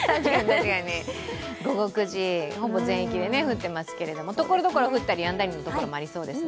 午後９時、ほぼ全域で降ってますけどところどころ降ったりやんだりのところもありそうですが。